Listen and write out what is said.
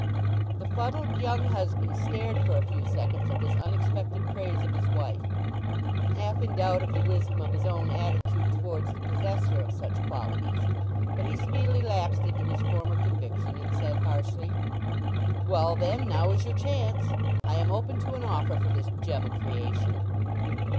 The fuddled young husband stared for a few seconds at this unexpected praise of his wife, half in doubt of the wisdom of his own attitude towards the possessor of such qualities. But he speedily lapsed into his former conviction, and said harshly— "Well, then, now is your chance; I am open to an offer for this gem o' creation."